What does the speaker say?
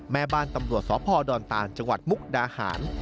แม่บ้านตำรวจสพดอนตานจังหวัดมุกดาหาร